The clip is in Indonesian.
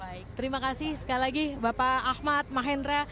baik terima kasih sekali lagi bapak ahmad mahendra